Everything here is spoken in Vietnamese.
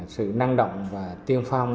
sự năng động và tiêm phong